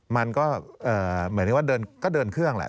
มันก็เหมือนกันว่าเดินเครื่องแล้ว